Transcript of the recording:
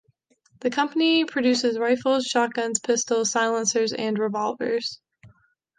The company produces rifles, shotguns, pistols, silencers and revolvers.